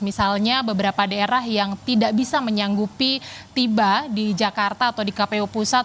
misalnya beberapa daerah yang tidak bisa menyanggupi tiba di jakarta atau di kpu pusat